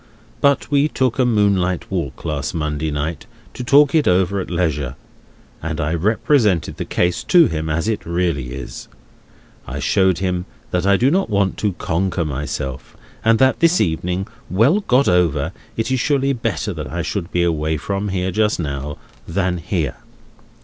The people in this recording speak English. But we took a moonlight walk last Monday night, to talk it over at leisure, and I represented the case to him as it really is. I showed him that I do want to conquer myself, and that, this evening well got over, it is surely better that I should be away from here just now, than here.